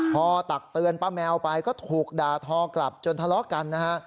พอตักเตือนป้าแมวไปก็ถูกด่าทอกลับจนทะเลาะกันนะฮะ